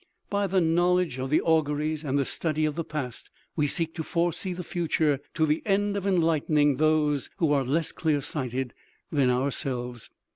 By the knowledge of the auguries and the study of the past, we seek to foresee the future to the end of enlightening those who are less clear sighted than ourselves.